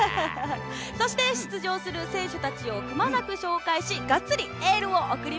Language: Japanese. そして出場する選手たちをくまなくしょうかいしがっつりエールを送ります。